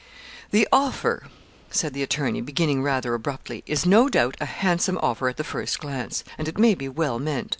'The offer,' said the attorney, beginning rather abruptly, 'is no doubt a handsome offer at the first glance, and it may be well meant.